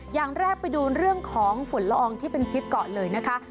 อย่างแรกไปดูเรื่องของฝุ่นละอองที่เป็นพิษก่อนเลยนะคะ